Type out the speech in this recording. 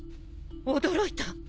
驚いた。